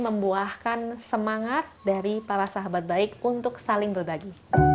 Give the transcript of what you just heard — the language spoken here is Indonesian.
untuk melawat cucu yang kemudian membuahkan semangat dari para sahabat baik untuk saling berbagi